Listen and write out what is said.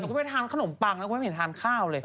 หนูก็ไปทานขนมปังจะไปทานข้าวเลย